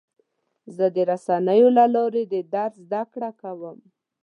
زه د رسنیو له لارې د درس زده کړه کوم.